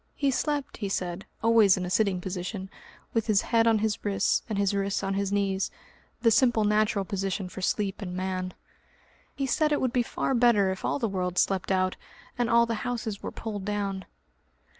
He slept, he said, always in a sitting position, with his head on his wrists, and his wrists on his knees the simple natural position for sleep in man.... He said it would be far better if all the world slept out, and all the houses were pulled down.